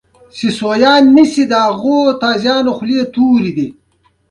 لږ غوندې خوب هره غرمه کومه